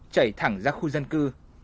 đẩy thẳng ra khu dân cư